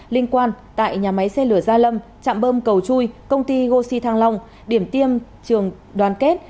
liên quan tại nhà máy xe lửa gia lâm trạm bơm cầu chui công ty goxi thăng long điểm tiêm trường đoàn kết